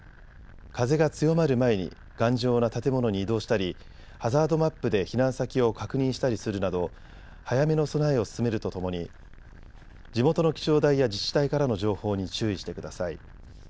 風が強まる前に頑丈な建物に移動したりハザードマップで避難先を確認したりするなど早めの備えを進めるとともに地元の気象台や自治体からの情報に注意してください。